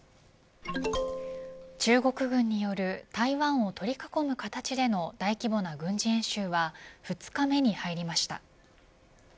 中国軍による台湾を取り囲む形での大規模な軍事演習は２日目に入りました。